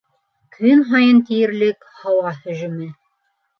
Көн һайын тиерлек һауа һөжүме.